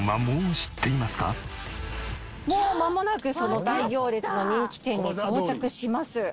もうまもなくその大行列の人気店に到着します。